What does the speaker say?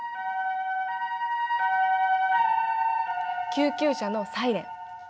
救急車のサイレン。